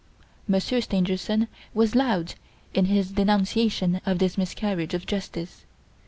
Monsieur Stangerson was loud in his denunciation of this miscarriage of justice.